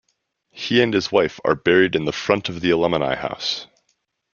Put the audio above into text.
He and his wife are buried in front of the Alumni house.